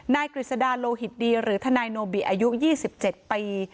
กฤษดาโลหิตดีหรือทนายโนบิอายุ๒๗ปี